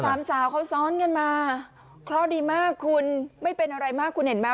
สามสาวเขาซ้อนกันมาเคราะห์ดีมากคุณไม่เป็นอะไรมากคุณเห็นไหม